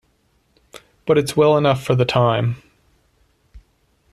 But it's well enough for the time.